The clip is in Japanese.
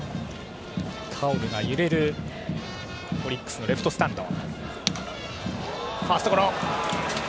タオルが揺れるオリックスのレフトスタンド。